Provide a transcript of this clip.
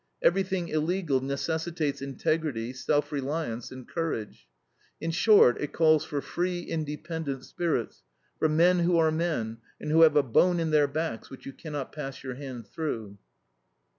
Everything illegal necessitates integrity, self reliance, and courage. In short, it calls for free, independent spirits, for "men who are men, and who have a bone in their backs which you cannot pass your hand through."